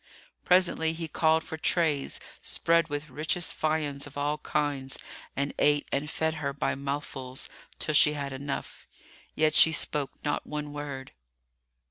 Presently he called for trays spread with richest viands of all kinds and ate and fed her by mouthfuls, till she had enough; yet she spoke not one word.